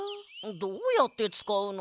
どうやってつかうの？